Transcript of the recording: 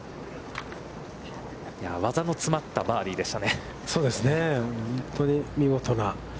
技の詰まったバーディーでしたね。